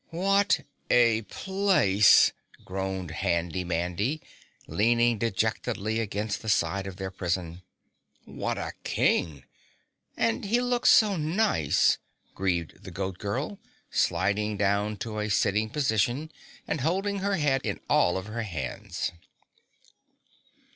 "What a place!" groaned Handy Mandy, leaning dejectedly against the side of their prison. "What a King! And he looked so nice!" grieved the Goat Girl, sliding down to a sitting position and holding her head in all of her hands.